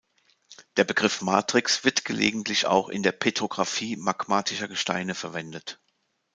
Der Begriff "Matrix" wird gelegentlich auch in der Petrographie magmatischer Gesteine verwendet.